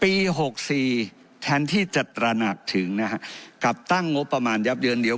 หกสี่แทนที่จะตระหนักถึงนะฮะกับตั้งงบประมาณยับเยินเดี๋ยว